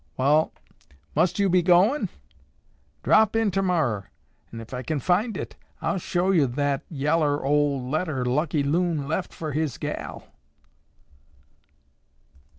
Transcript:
Wall, must yo' be goin'? Drop in tomorrer an' ef I kin find it, I'll show yo' that yellar ol' letter Lucky Loon left fer his gal."